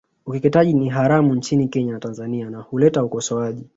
Ukeketaji ni haramu nchini Kenya na Tanzania na huleta ukosoaji